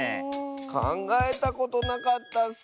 かんがえたことなかったッス。